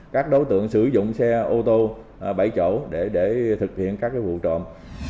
các đối tượng sử dụng xe ô tô bảy chỗ để thực hiện các vụ trộm